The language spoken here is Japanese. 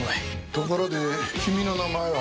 ところで君の名前は？